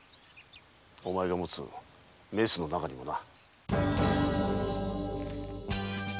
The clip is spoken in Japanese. お前が持つメスの中にもな。